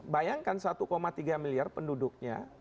bayangkan satu tiga miliar penduduknya